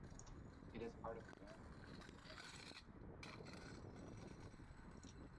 It is part of the Grand Island, Nebraska Micropolitan Statistical Area.